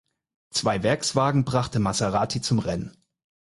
Zwei Werkswagen brachte Maserati zum Rennen.